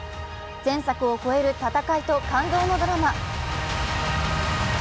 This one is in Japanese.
前作を超える戦いと感動のドラマ。